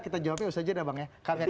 kita jawabin itu saja deh bang ya